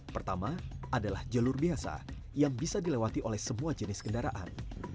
pertama adalah jalur biasa yang bisa dilewati oleh semua jenis kendaraan